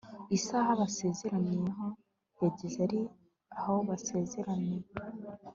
isaha basezeraniyeho yageze ari aho basezeraniye